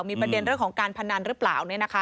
มีประเด็นเรื่องของการพนันหรือเปล่า